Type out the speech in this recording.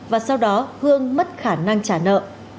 và sau đó hương mất khả năng trả nợ